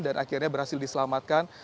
dan akhirnya berhasil diselamatkan